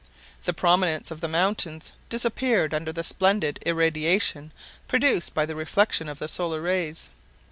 The prominence of the mountains disappeared under the splendid irradiation produced by the reflection of the solar rays.